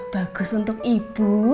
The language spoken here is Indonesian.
bagus untuk ibu